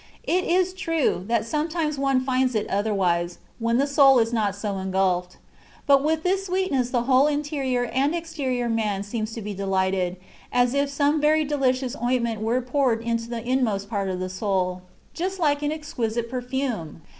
It is true, that sometimes one finds it otherwise, when the soul is not so engulfed; but with this sweetness the whole interior and exterior man seems to be delighted, as if some very delicious ointment were poured into the inmost part of the soul, just like an exquisite perfume